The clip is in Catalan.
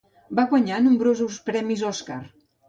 Va guanyar nombrosos premis Oscar.